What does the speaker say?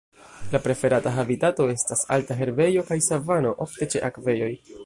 La preferata habitato estas alta herbejo kaj savano, ofte ĉe akvejoj.